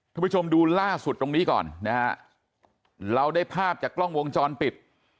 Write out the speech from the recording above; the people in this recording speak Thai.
ผู้ชมดูล่าสุดตรงนี้ก่อนนะฮะเราได้ภาพจากกล้องวงจรปิด